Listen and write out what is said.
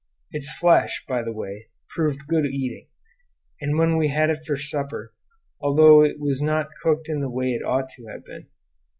Its flesh, by the way, proved good eating, when we had it for supper, although it was not cooked in the way it ought to have been.